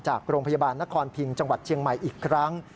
จากโรงพยาบาลนครพิงจังหวัดเชียงใหม่อีกครั้ง